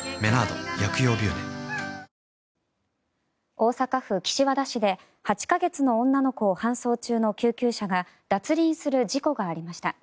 大阪府岸和田市で８か月の女の子を搬送中の救急車が脱輪する事故がありました。